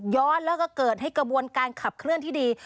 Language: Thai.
แล้วก็เกิดให้กระบวนการขับเคลื่อนที่ดี